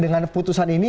dengan putusan ini